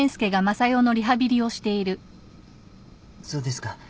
そうですか。